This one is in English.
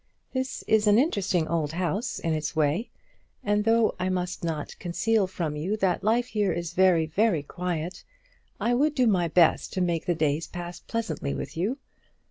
This is an interesting old house in its way; and though I must not conceal from you that life here is very, very quiet, I would do my best to make the days pass pleasantly with you.